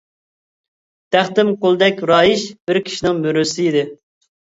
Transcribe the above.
تەختىم قۇلدەك رايىش بىر كىشىنىڭ مۈرىسى ئىدى.